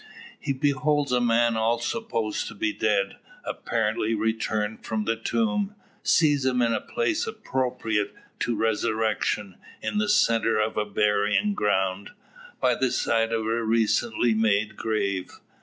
He beholds a man all supposed to be dead, apparently returned from the tomb! Sees him in a place appropriate to resurrection, in the centre of a burying ground, by the side of a recently made grave!